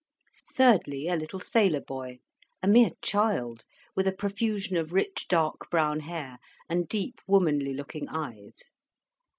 Thirdly, a little sailor boy, a mere child, with a profusion of rich dark brown hair, and deep womanly looking eyes.